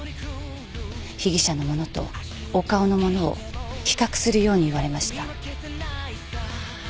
被疑者のものと岡尾のものを比較するように言われました。